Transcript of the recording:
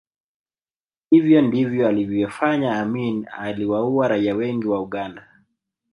Hivyo ndivyo alivyofanya Amin aliwaua raia wengi wa Uganda